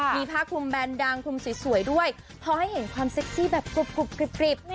มีผ้าคลุมแบนดังคุมสวยด้วยพอให้เห็นความเซ็กซี่แบบกรุบ